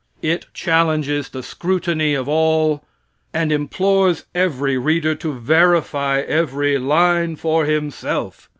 It challenges the scrutiny of all, and implores every reader to verify every line for himself.